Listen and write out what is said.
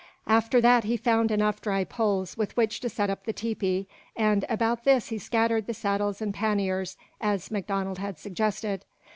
After that he found enough dry poles with which to set up the tepee, and about this he scattered the saddles and panniers, as MacDonald had suggested.